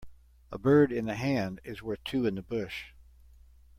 A bird in the hand is worth two in the bush.